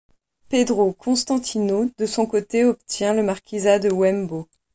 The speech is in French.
Pedro Constantinho de son côté obtient le marquisat de Wembo.